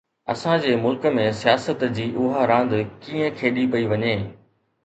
اسان جي ملڪ ۾ سياست جي اها راند ڪيئن کيڏي پئي وڃي؟